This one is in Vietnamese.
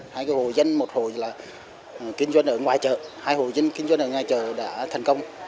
hai cái hồ dân một hồ là kinh doanh ở ngoài chợ hai hồ dân kinh doanh ở nhà chợ đã thành công